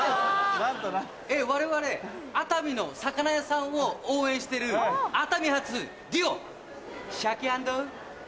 我々熱海の魚屋さんを応援してる熱海発デュオ。